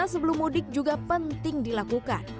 karena sebelum mudik juga penting dilakukan